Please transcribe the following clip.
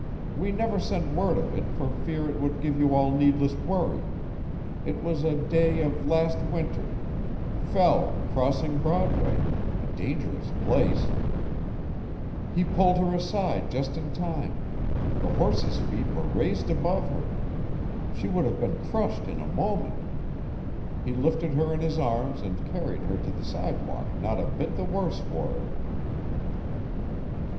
We never sent word of it for fear it would give you all needless worry. It was a day of last winter fell crossing Broadway, a dangerous place' he pulled her aside just in time the horse's feet were raised above her she would have been crushed in a moment He lifted her in his arms and carried her to the sidewalk not a bit the worse for it.